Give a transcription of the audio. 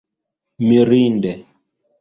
mirinde